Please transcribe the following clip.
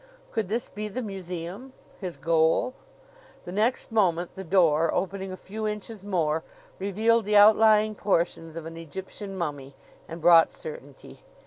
Could this be the museum his goal? The next moment the door, opening a few inches more, revealed the outlying portions of an Egyptian mummy and brought certainty.